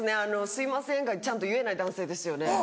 「すいません」がちゃんと言えない男性ですよね？